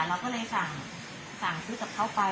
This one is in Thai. เราก็เลยสั่งซื้อกับเขาไป